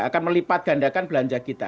akan melipat gandakan belanja kita